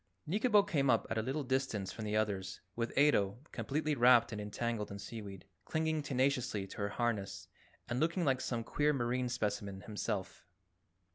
Nikobo came up at a little distance from the others, with Ato, completely wrapped and entangled in seaweed, clinging tenaciously to her harness and looking like some queer marine specimen himself.